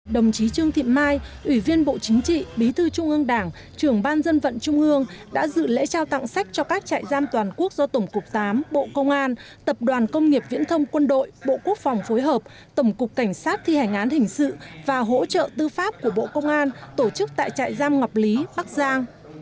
đồng chí trương thị mai ủy viên bộ chính trị bí thư trung ương đảng trưởng ban dân vận trung ương đã dự lễ trao tặng sách cho các trại giam toàn quốc do tổng cục tám bộ công an tập đoàn công nghiệp viễn thông quân đội bộ quốc phòng phối hợp tổng cục cảnh sát thi hành án hình sự và hỗ trợ tư pháp của bộ công an tổ chức tại trại giam ngọc lý bắc giang